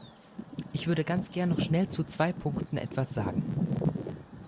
Ich würde ganz gern noch schnell zu zwei Punkten etwas sagen.